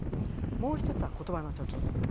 もう一つは言葉の貯金。